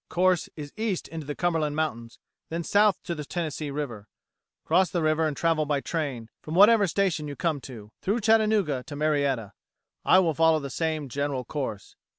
The course is east into the Cumberland Mountains, then south to the Tennessee River. Cross the river and travel by train, from whatever station you come to, through Chattanooga to Marietta. I will follow the same general course.